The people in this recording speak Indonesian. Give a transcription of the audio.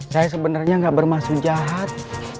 saya sebenarnya gak bermaksud jahat